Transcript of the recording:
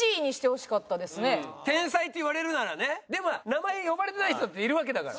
でもほら名前呼ばれてない人だっているわけだから。